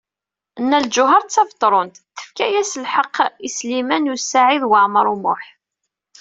Nna Lǧuheṛ Tabetṛunt tefka-as lḥeqq i Sliman U Saɛid Waɛmaṛ U Muḥ.